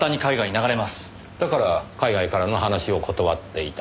だから海外からの話を断っていた。